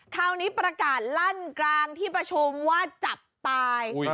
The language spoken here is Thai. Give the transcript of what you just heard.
คราวนี้ประกาศลั่นกลางที่ประชุมว่าจับตาย